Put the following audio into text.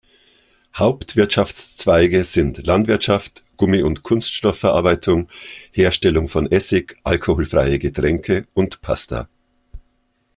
Hauptwirtschaftszweige sind Landwirtschaft, Gummi- und Kunststoffverarbeitung, Herstellung von Essig, alkoholfreie Getränke und Pasta.